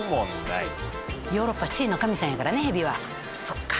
ヨーロッパ治癒の神さんやからねヘビは。そっか。